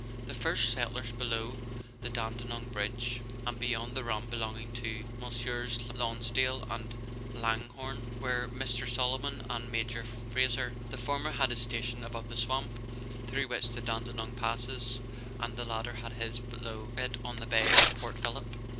The first settlers below the Daudenoug bridge, and beyond the run belonging to Messrs. Lonsdale and Langhorue, were Mr. Solomon and Major Frazer. The former had his station above the swamp through which the Dandenong passes, and the latter had his below it on the bay of Port Phillip.